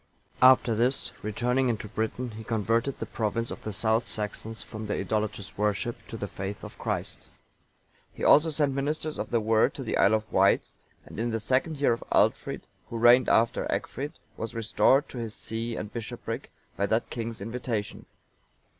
After this, returning into Britain,(916) he converted the province of the South Saxons from their idolatrous worship to the faith of Christ.(917) He also sent ministers of the Word to the Isle of Wight;(918) and in the second year of Aldfrid, who reigned after Egfrid, was restored to his see and bishopric by that king's invitation.